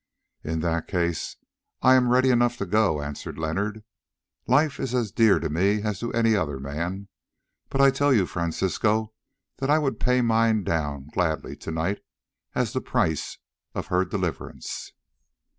"In that case I am ready enough to go," answered Leonard. "Life is as dear to me as to other men; but I tell you, Francisco, that I would pay mine down gladly to night as the price of her deliverance."